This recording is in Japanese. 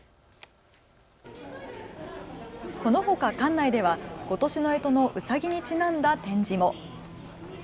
このほか館内ではことしのえとのうさぎにちなんだ展示も。